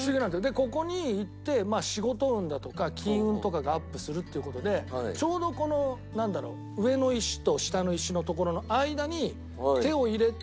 でここに行って仕事運だとか金運とかがアップするっていう事でちょうどこのなんだろう上の石と下の石の所の間に手を入れてお祈り。